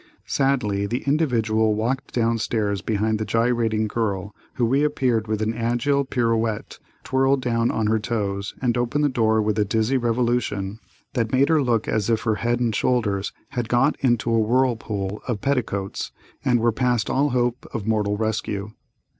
Sadly the Individual walked down stairs behind the gyrating girl, who reappeared with an agile pirouette, twirled down on her toes, and opened the door with a dizzy revolution that made her look as if her head and shoulders had got into a whirlpool of petticoats, and were past all hope of mortal rescue.